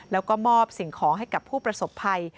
แล้วก็มอบสิ่งของให้กับผู้ประสบภัย